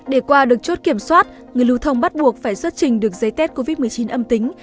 để qua được chốt kiểm soát người lưu thông bắt buộc phải xuất trình được giấy test covid một mươi chín âm tính